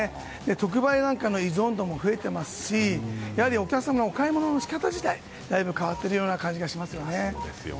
特売なんかの依存度も増えていますしお客様の買い物の仕方自体がだいぶ変わっているような感じがしますよね。